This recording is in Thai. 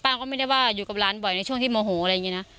ก็ไม่ได้ว่าอยู่กับหลานบ่อยในช่วงที่โมโหอะไรอย่างนี้นะ